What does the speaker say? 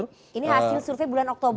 ini hasil survei bulan oktober